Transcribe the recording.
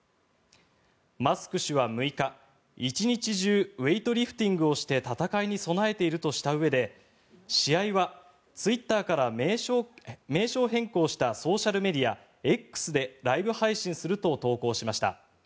マスク氏は６日一日中ウエイトリフティングをして戦いに備えているとしたうえで試合はツイッターから名称変更したソーシャルメディア、Ｘでライブ配信すると投稿しました。